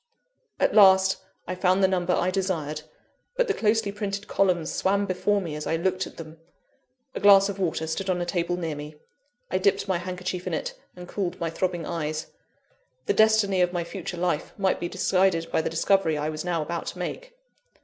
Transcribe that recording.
At last, I found the number I desired; but the closely printed columns swam before me as I looked at them. A glass of water stood on a table near me I dipped my handkerchief in it, and cooled my throbbing eyes. The destiny of my future life might be decided by the discovery I was now about to make!